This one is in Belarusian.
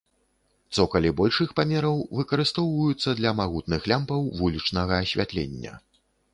Цокалі большых памераў выкарыстоўваюцца для магутных лямпаў вулічнага асвятлення.